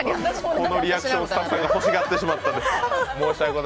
このリアクションをスタッフが欲しがってしまったので。